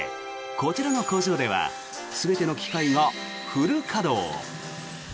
こちらの工場では全ての機械がフル稼働。